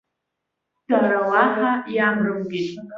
Дара уаҳа иамарымкит.